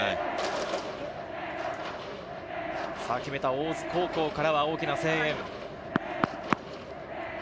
決めた大津高校からは大きな声援。